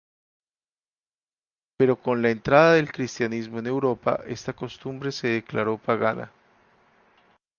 Pero con la entrada del cristianismo en Europa, esta costumbre se declaró pagana.